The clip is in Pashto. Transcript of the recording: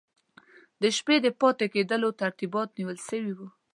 د شپې د پاته کېدلو ترتیبات نیول سوي وو.